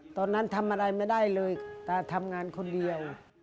ตอนนั้นทำอะไรไม่ได้เลย